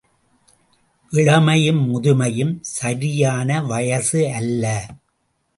இளமையும் முதுமையும் சரியான வயசு அல்ல.